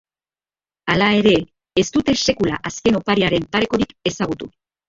Hala ere, ez dute sekula azken opariaren parekorik ezagutu.